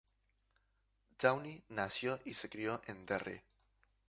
Downey nació y se crio en Derry.